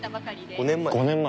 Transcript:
５年前？